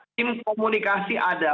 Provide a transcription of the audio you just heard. tim komunikasi ada